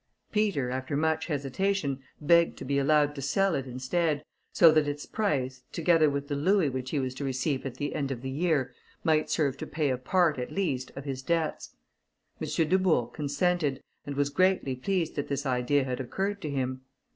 Peter, after much hesitation, begged to be allowed to sell it instead, so that its price, together with the louis which he was to receive at the end of the year, might serve to pay a part, at least, of his debts. M. Dubourg consented, and was greatly pleased that this idea had occurred to him.